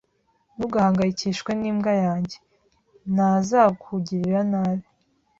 Ntugahangayikishwe n'imbwa yanjye. Ntazakugirira nabi